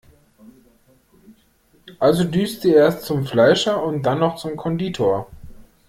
Also düst sie erst zum Fleischer und dann noch zum Konditor.